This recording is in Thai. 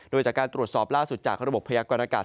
โดยจากการตรวจสอบล่าสุดจากระบบพยากรณากาศ